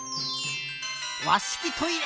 わしきトイレ！